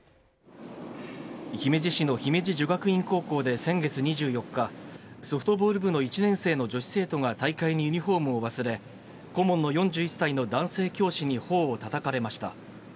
姫路市の姫路女学院高校で先月２４日、ソフトボール部の１年生の女子生徒が大会にユニホームを忘れ、顧問の４１歳の男性教師にほおをたたかれました。